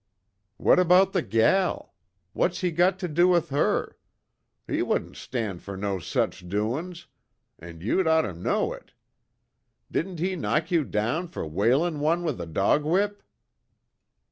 "What about the gal? What's he got to do with her? He wouldn't stand fer no such doin's, an' you'd ort to know it. Didn't he knock you down fer whalin' one with a dog whip!"